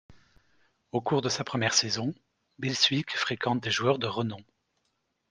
Au cours de sa première saison, Bill Sweek fréquente des joueurs de renoms.